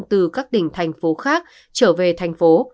từ các tỉnh thành phố khác trở về thành phố